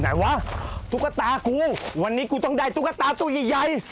วะตุ๊กตากูวันนี้กูต้องได้ตุ๊กตาตัวใหญ่ใหญ่